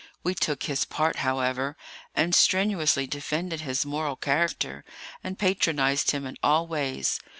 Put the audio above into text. We took his part, however, and strenuously defended his moral character, and patronized him in all ways.